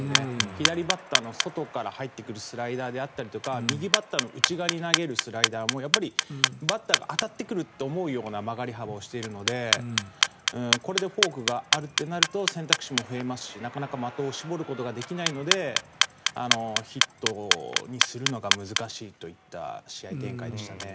左バッターの外から入ってくるスライダーであったり右バッターの内側に投げるスライダーもバッターが当たってくると思うような曲がり幅をしているのでこれでフォークがあるってなると選択肢も増えますしなかなか的を絞ることができないのでヒットにするのが難しいといった試合展開でしたね。